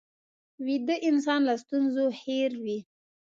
ویده انسان له ستونزو هېر وي